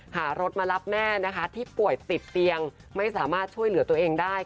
หารถมารับแม่นะคะที่ป่วยติดเตียงไม่สามารถช่วยเหลือตัวเองได้